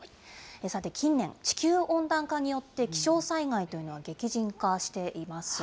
さて、近年、地球温暖化によって気象災害というのは激甚化しています。